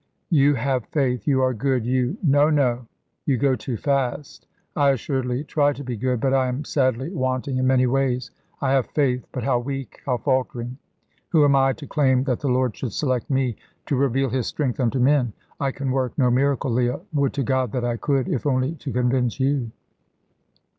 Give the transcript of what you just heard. You have faith; you are good; you " "No, no! You go too fast. I assuredly try to be good, but I am sadly wanting in many ways. I have faith, but how weak, how faltering. Who am I, to claim that the Lord should select me to reveal His strength unto men? I can work no miracle, Leah. Would to God that I could, if only to convince you!"